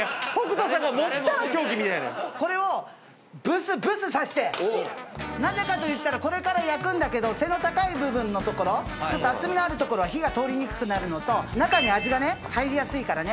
いやいやこれをなぜかといったらこれから焼くんだけど背の高い部分のところちょっと厚みのあるところは火が通りにくくなるのと中に味がね入りやすいからね・